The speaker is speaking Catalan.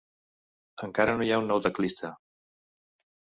Encara no hi ha un nou teclista.